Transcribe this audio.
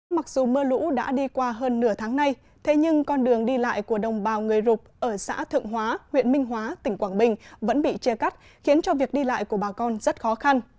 mặc dù mưa lũ đã đi qua hơn nửa tháng nay thế nhưng con đường đi lại của đồng bào người rục ở xã thượng hóa huyện minh hóa tỉnh quảng bình vẫn bị che cắt khiến cho việc đi lại của bà con rất khó khăn